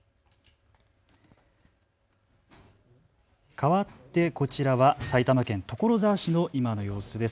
かわってこちらは埼玉県所沢市の今の様子です。